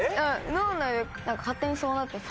脳内で勝手にそうなってた。